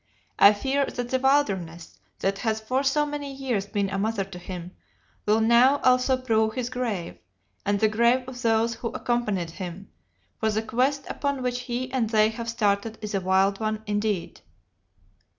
I fear that the wilderness, that has for so many years been a mother to him, will now also prove his grave and the grave of those who accompanied him, for the quest upon which he and they have started is a wild one indeed.